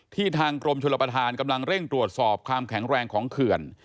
ทางกรมชลประธานกำลังเร่งตรวจสอบความแข็งแรงของเขื่อน